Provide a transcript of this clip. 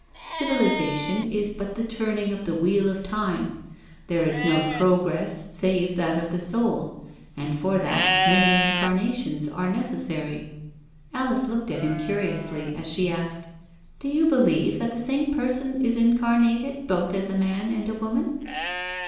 Civilisation is but the turning of the wheel of time— there is no pro gress save that of the soul, and for that many incarna tions are necessary." Alice looked at him curiously as she asked :" Do you believe that the same person is incarnated both as a man and a woman?'